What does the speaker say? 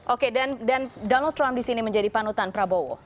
oke dan donald trump disini menjadi panutan prabowo